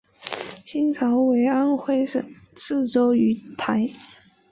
清朝为安徽省泗州盱眙。